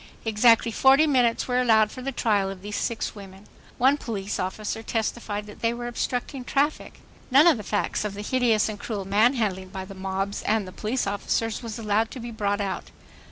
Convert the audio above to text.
Exactly forty minutes were allowed for the trial of these six women. One police officer testified that they were "obstructing traffic." None of the facts of the hideous and cruel manhandling by the mobs and police officers was allowed to be brought out.